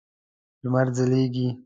لمر ځلیږی